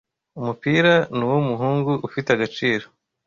Umupira nuwo muhungu ufite agaciro.